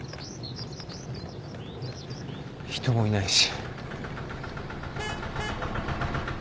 人もいないし。